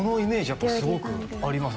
やっぱりすごくあります